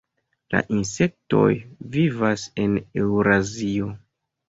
La insektoj vivas en Eŭrazio.